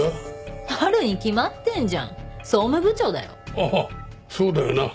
ああそうだよな。